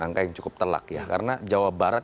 angka yang cukup telak ya karena jawa barat